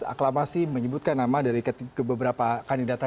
aklamasi menyebutkan nama dari beberapa kandidat